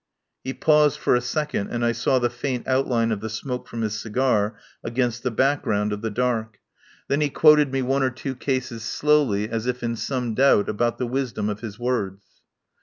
He paused for a second, and I saw the faint outline of the smoke from his cigar against the background of the dark. Then he quoted 74 TELLS OF A MIDSUMMER NIGHT me one or two cases, slowly, as if in some doubt about the wisdom of his words.